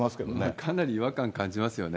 かなり違和感感じますよね。